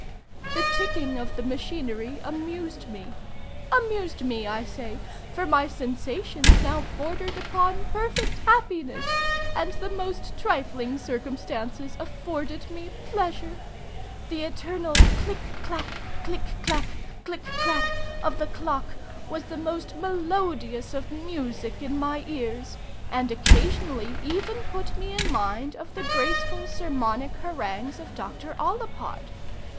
The ticking of the machinery amused me. Amused me, I say, for my sensations now bordered upon perfect happiness, and the most trifling circumstances afforded me pleasure. The eternal click clak, click clak, click clak of the clock was the most melodious of music in my ears, and occasionally even put me in mind of the graceful sermonic harangues of Dr. Ollapod.